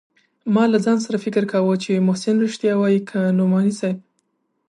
ما له ځان سره فکر کاوه چې محسن رښتيا وايي که نعماني صاحب.